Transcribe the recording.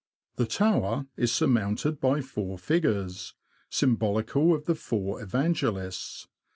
The tower is sur mounted by four figures, symbolical of the four Evangelists.